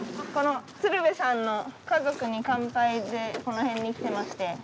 この鶴瓶さんの「家族に乾杯」でこの辺に来てまして。